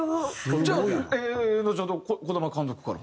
じゃあのちほど児玉監督から？